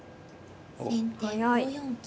先手５四金。